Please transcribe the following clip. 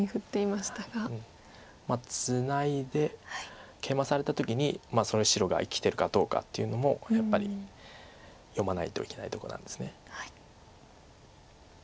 まあツナいでケイマされた時にその白が生きてるかどうかっていうのもやっぱり読まないといけないとこなんです。